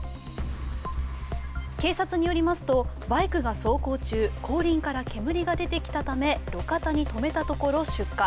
警察によりますと、バイクが走行中後輪から煙が出てきたため路肩に止めたところ、出火。